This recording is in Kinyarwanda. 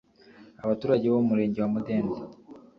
Abaturage bo mu murenge wa Mudende